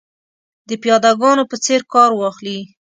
د پیاده ګانو په څېر کار واخلي.